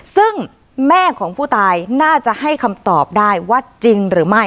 ซึ่งแม่ของผู้ตายน่าจะให้คำตอบได้ว่าจริงหรือไม่